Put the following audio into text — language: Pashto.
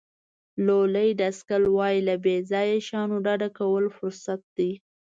لولي ډاسکل وایي له بې ځایه شیانو ډډه کول فرصت دی.